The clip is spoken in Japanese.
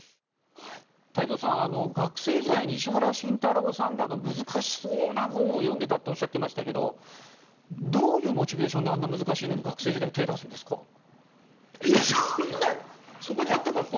太蔵さん、学生時代に石原慎太郎さんらの難しそうな本を読んでらっしゃったとおっしゃっていましたけどどういうモチベーションであんな難しいものに学生時代に手を出すんですか？